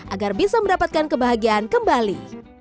agar bisa mendapatkan kebahagiaan kembali